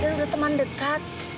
dan juga teman dekat